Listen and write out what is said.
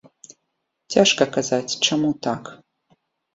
Цяжка казаць, чаму так.